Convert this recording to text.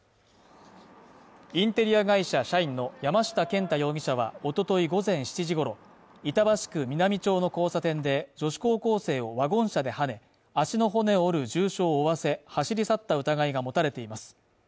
インテリア会社社員の山下健太容疑者は、おととい午前７時ごろ、板橋区南町の交差点で、女子高校生をワゴン車ではね、足の骨を折る重傷を負わせ、走り去った疑いが持たれています。